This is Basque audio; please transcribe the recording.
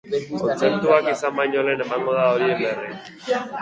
Kontzertuak izan baino lehen emango da horien berri.